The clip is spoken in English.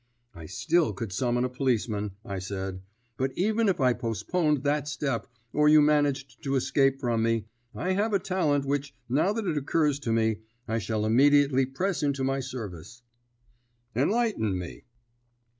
"I still could summon a policeman," I said; "but even if I postponed that step or you managed to escape from me, I have a talent which, now that it occurs to me, I shall immediately press into my service." "Enlighten me."